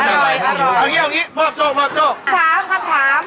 ถาม